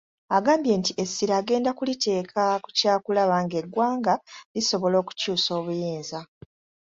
Agambye nti essira agenda kuliteeka ku kyakulaba ng'eggwanga lisobola okukyusa obuyinza.